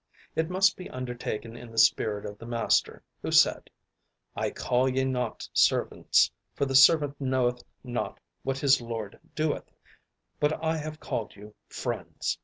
It must be undertaken in the spirit of the Master who said, "I call ye not servants, for the servant knoweth not what his lord doeth; but I have called you friends."